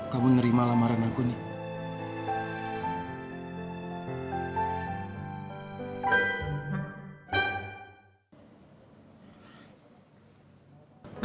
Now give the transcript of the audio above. kamu nerima lamaran aku nih